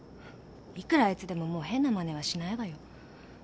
いくらあいつでももう変なマネはしないわよ。